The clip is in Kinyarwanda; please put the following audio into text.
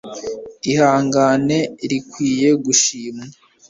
Ihangane rikwiye gushimwa